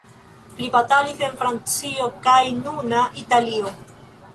Li batalis en Francio kaj nuna Italio.